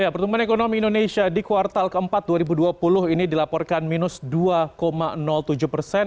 pertumbuhan ekonomi indonesia di kuartal keempat dua ribu dua puluh ini dilaporkan minus dua tujuh persen